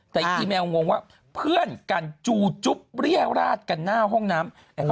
แต่อีแมลงงว่าเพื่อนกันจูจุ๊บเรียราชกันหน้าห้องน้ำ